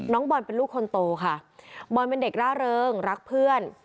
น้องบอลเป็นลูกคนโตค่ะบอลเป็นเด็กร่าเริงรักเพื่อน